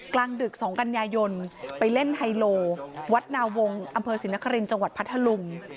กลางดึกสองกัญญายนต์ไปเล่นไฮโลวัดหนาวงห์อำเภอสินคลินจพัทธรุม